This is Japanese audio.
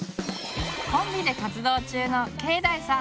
コンビで活動中のけいだいさん。